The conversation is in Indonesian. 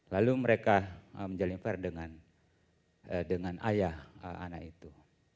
lalu mereka menjalin affair dengan ayah anak itu